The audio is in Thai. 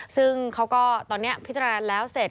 ซึ่งเขาก็ตอนนี้พิจารณาแล้วเสร็จ